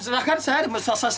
silahkan saya masuk sini